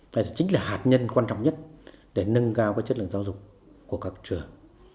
phải là chính là hạt nhân quan trọng nhất để nâng cao cái chất lượng giáo dục của các trường